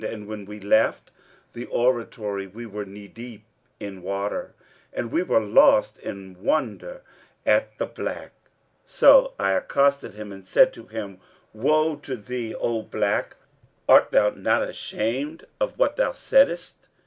And when we left the oratory we were knee deep in water, and we were lost in wonder at the black. So I accosted him and said to him, 'Woe to thee, O black, art thou not ashamed of what thou saidst?'